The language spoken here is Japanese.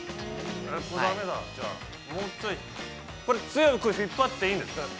これ強く引っ張っていいんですか。